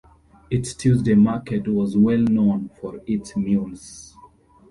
Its Tuesday market was well known for its mules.